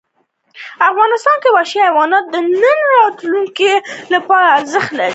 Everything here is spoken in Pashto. افغانستان کې وحشي حیوانات د نن او راتلونکي لپاره ارزښت لري.